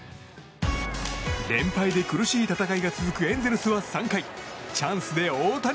連敗で苦しい戦いが続くエンゼルスは３回チャンスで大谷。